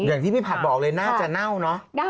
อย่างที่พี่ผัดบอกเลยน่าจะเน่าเนอะ